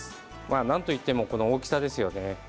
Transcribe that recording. なんといってもこの大きさですよね。